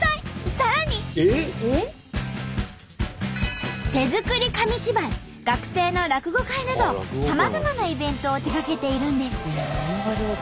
さらに手作り紙芝居学生の落語会などさまざまなイベントを手がけているんです。